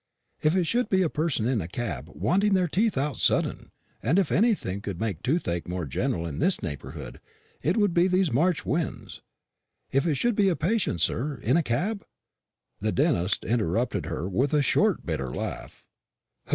If it should be a person in a cab wanting their teeth out sudden and if anything could make toothache more general in this neighbourhood it would be these March winds if it should be a patient, sir, in a cab " The dentist interrupted her with a short bitter laugh.